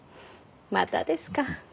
またですか。